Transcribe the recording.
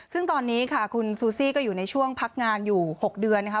ซึ่งตอนนี้ค่ะคุณซูซี่ก็อยู่ในช่วงพักงานอยู่๖เดือนนะคะ